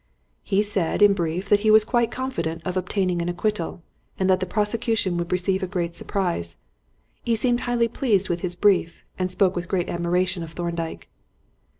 "He said, in brief, that he was quite confident of obtaining an acquittal, and that the prosecution would receive a great surprise. He seemed highly pleased with his brief, and spoke with great admiration of Thorndyke."